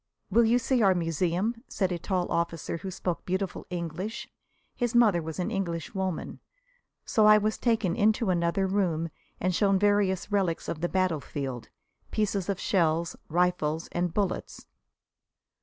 "Will you see our museum?" said a tall officer, who spoke beautiful English. His mother was an Englishwoman. So I was taken into another room and shown various relics of the battlefield pieces of shells, rifles and bullets.